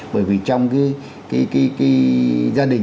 bởi vì trong cái gia đình